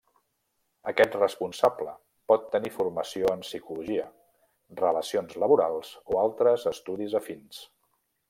Aquest responsable pot tenir formació en psicologia, relacions laborals o altres estudis afins.